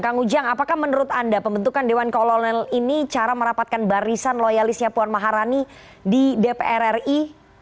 kang ujang apakah menurut anda pembentukan dewan kolonel ini cara merapatkan barisan loyalisnya puan maharani di dpr ri